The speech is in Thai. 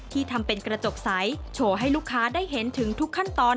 ทำเป็นกระจกใสโชว์ให้ลูกค้าได้เห็นถึงทุกขั้นตอน